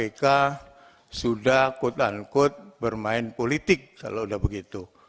ini sudah kut ankut bermain politik kalau udah begitu